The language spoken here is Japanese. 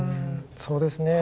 そうですね。